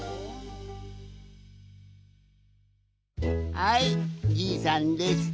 はいじいさんです。